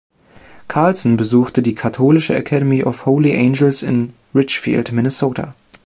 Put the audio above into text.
Carlson besuchte die katholische Academy of Holy Angels in Richfield, Minnesota.